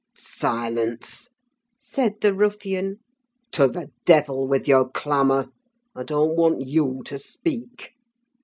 "Silence!" said the ruffian. "To the devil with your clamour! I don't want you to speak.